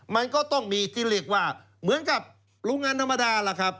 มันก็ต้องมีที่เรียกว่าเหมือนกับโรงงานธรรมดาล่ะครับ